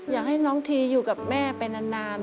อยากให้น้องทีอยู่กับแม่เป็นนานมากที่สุด